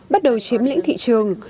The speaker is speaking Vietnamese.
bắt đầu chiếm lĩnh thị trường